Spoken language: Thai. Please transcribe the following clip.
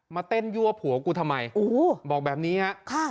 มาเต้นยั่วผัวกูทำไมโอ้โหบอกแบบนี้ฮะค่ะ